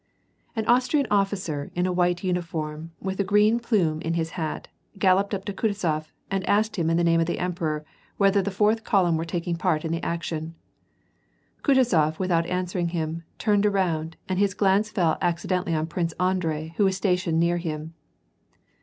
t An Austrian omcer, in a white uniform, with a green plume in his hat, galloped up to Kutuzof, and asked him in the name of the emperor, whether the fourth column were taking part in the action. Kutuzof, without answering him, turned around, and his glance fell accidentally on Prince Andrei who was stationed near him.